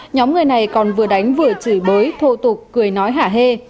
nhóm người này còn vừa đánh vừa chửi bới thô tục cười nói hả hê